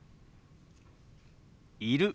「いる」。